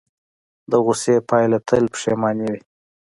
د غوسې پایله تل پښیماني وي.